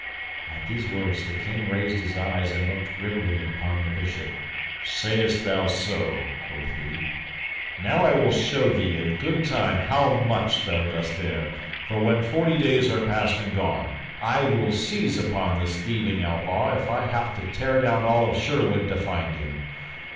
At these words the King raised his eyes and looked grimly upon the Bishop. "Sayst thou so?" quoth he. "Now, I will show thee, in good time, how much thou dost err, for, when the forty days are past and gone, I will seize upon this thieving outlaw, if I have to tear down all of Sherwood to find him.